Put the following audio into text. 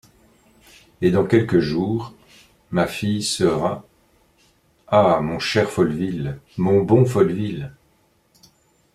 Et dans quelques jours… ma fille sera… ah ! mon cher Folleville ! mon bon Folleville !…